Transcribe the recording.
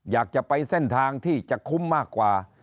อยากจะไปเส้นทางที่จะคุ้มมากกว่า